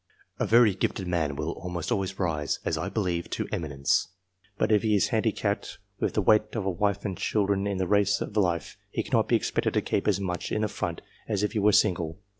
A very gifted man will almost always rise, as I believe, to eminence; but if he is handicapped with the weight of a wife and children in the race of life, he cannot be expected to keep as much in the front as if he were single.